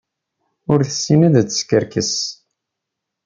Ur tessin ad teskerkes.